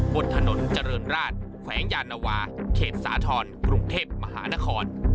บนถนนเจริญราชแขวงยานวาเขตสาธรณ์กรุงเทพมหานคร